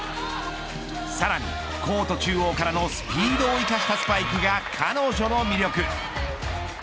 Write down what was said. さらに、コート中央からのスピードを生かしたスパイクが彼女の魅力。